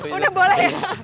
udah boleh ya